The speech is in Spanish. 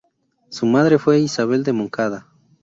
Su madre fue Isabel de Montcada.